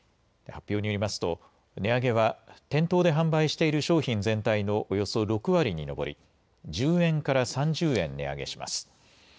発表によりますと値上げは店頭で販売している商品全体のおよそ６割に上り１０円から３０円値上げします。